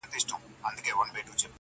تشېدل به د شرابو ډك خمونه-